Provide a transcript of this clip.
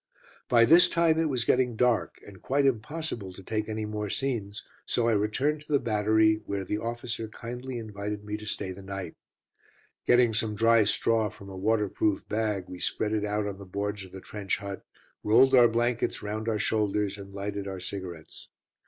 By this time it was getting dark, and quite impossible to take any more scenes, so I returned to the battery, where the officer kindly invited me to stay the night. Getting some dry straw from a waterproof bag, we spread it out on the boards of the trench hut, rolled our blankets round our shoulders, and lighted our cigarettes.